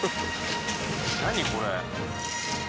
何これ。